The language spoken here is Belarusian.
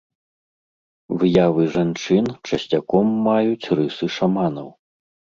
Выявы жанчын часцяком маюць рысы шаманаў.